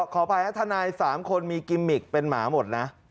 ขออภัยทนาย๓คนมีกิมมิกเป็นหมาหมดนะ